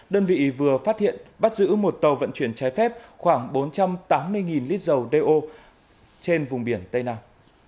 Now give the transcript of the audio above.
đơn vị vừa phát hiện bắt giữ một tàu vận chuyển trái phép khoảng bốn trăm tám mươi lít dầu đeo trên vùng biển tây nam